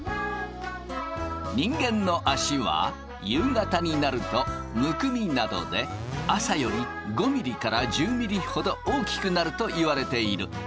人間の足は夕方になるとむくみなどで朝より５ｍｍから１０ｍｍほど大きくなるといわれている。